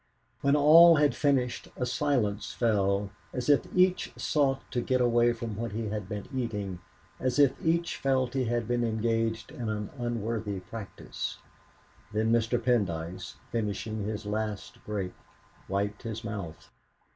When all had finished a silence fell, as if each sought to get away from what he had been eating, as if each felt he had been engaged in an unworthy practice; then Mr. Pendyce, finishing his last grape, wiped his mouth.